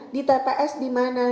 di tps dimana